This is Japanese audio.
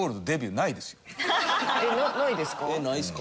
ないんすか？